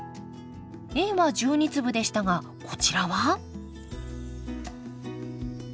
Ａは１２粒でしたがこちらは？